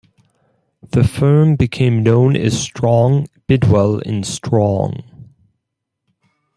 The firm became known as Strong, Bidwell and Strong.